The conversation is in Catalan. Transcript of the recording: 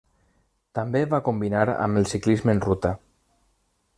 També va combinar amb el ciclisme en ruta.